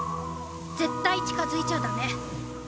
絶対近づいちゃダメ。